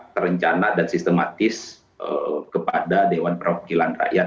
terencana dan sistematis kepada dewan perwakilan rakyat